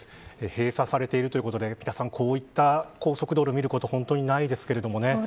閉鎖されているということでこういった高速道路見ることは本当にないですけどね。